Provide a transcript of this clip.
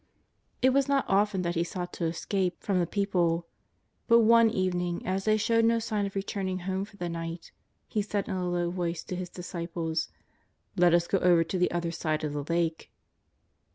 It was not often that He sought to escape from the 223 224: JESUS OF NAZARETH. people. But one evening as they showed no signs of re turning home for the night, He said in a low voice to His disciples :" Let us go over to the other side of the Lake."